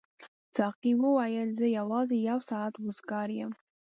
ساقي وویل زه یوازې یو ساعت وزګار یم.